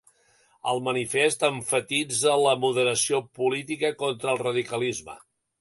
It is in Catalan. El manifest emfatitza la moderació política contra el radicalisme.